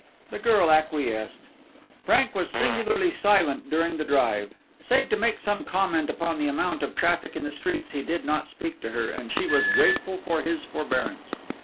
The girl acquiesced. Frank was singularly silent during the drive; save to make some comment upon the amount of traffic in the streets, he did not speak to her and she was grateful for his forbearance.